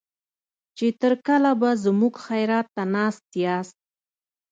چې تر کله به زموږ خيرات ته ناست ياست.